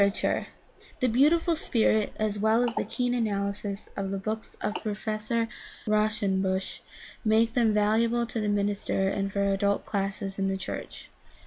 — ^The beautiful spirit as well as the keen analysis of the books of Professor Rauschenbusch make them valuable to the minister and for adult classes in the church.